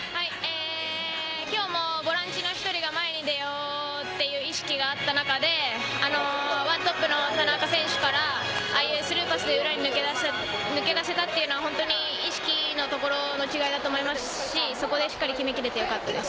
きょうもボランチの１人が前に出ようという意識があった中で、１トップの田中選手からスルーパスで裏に抜けだせたというのは本当に意識のところの違いだと思いますし、そこでしっかり決め切れてよかったです。